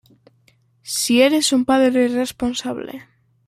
si eres un padre responsable